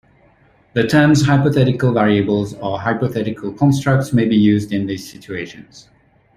The terms hypothetical variables or hypothetical constructs may be used in these situations.